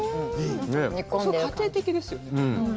家庭的ですよね、なんか。